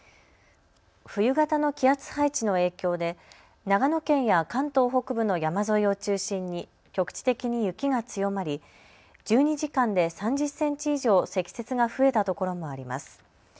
冬型の気圧配置の影響で長野県や関東北部の山沿いを中心に局地的に雪が強まり１２時間で３０センチ以上積雪が増えたところもあります。